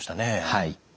はい。